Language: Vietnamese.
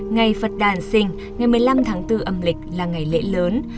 ngày phật đàn sinh ngày một mươi năm tháng bốn âm lịch là ngày lễ lớn